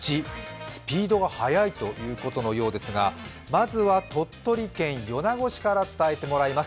スピードが速いということのようですがまずは鳥取県米子市から伝えてもらいます。